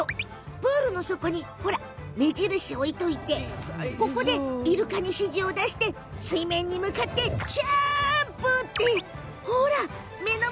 プールの底に目印を置いといてここでイルカに指示を出して水面に向かわせるってわけね。